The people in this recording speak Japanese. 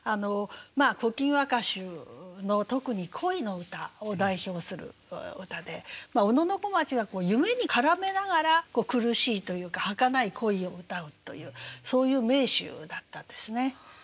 「古今和歌集」の特に恋の歌を代表する歌で小野小町は夢に絡めながら苦しいというかはかない恋を歌うというそういう名手だったんですね。